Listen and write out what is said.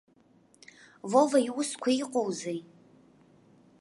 Вова иусқәа иҟоузеи?